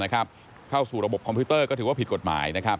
เข้าสู่ระบบคอมพิวเตอร์ก็ถือว่าผิดกฎหมาย